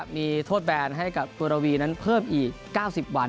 มีโทษแบนให้กับกุระวีนั้นเพิ่มอีก๙๐วัน